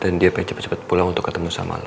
dan dia pengen cepet cepet pulang untuk ketemu sama lo